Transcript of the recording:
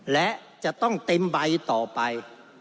และจะต้องเต็มใบต่อไป